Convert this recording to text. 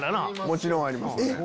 もちろんあります。